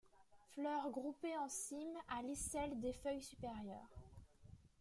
Fleurs groupées en cymes à l'aisselle des feuilles supérieures.